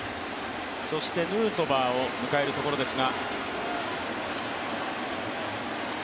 そしてヌートバーを迎えるところですが。